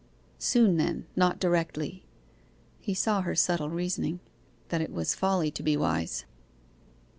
'Soon, then, not directly.' He saw her subtle reasoning that it was folly to be wise.